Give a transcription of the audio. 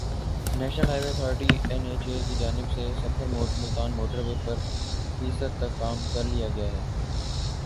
national highway authority N H A کی جانب سے سکھر ملتان موٹر وے پر فیصد تک کام کر لیا گیا ہے